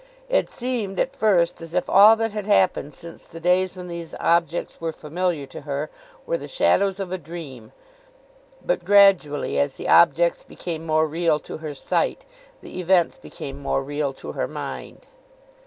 It seemed, at first, as if all that had happened since the days when these objects were familiar to her were the shadows of a dream, but gradually, as the objects became more real to her sight, the events became more real to her mind.